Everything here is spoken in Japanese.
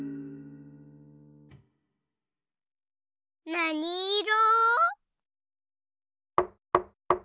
なにいろ？